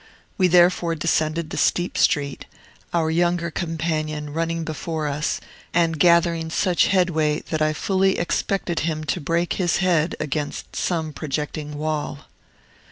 We therefore descended the steep street, our younger companion running before us, and gathering such headway that I fully expected him to break his head against some projecting wall.